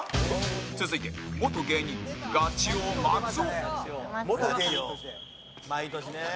続いて元芸人、ガチ王、松尾山崎：毎年ね。